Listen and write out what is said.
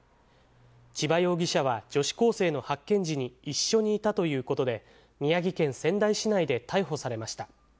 千葉容疑者は、女子高生の発見時に一緒にいたということで、宮城県仙台市内で逮捕されました。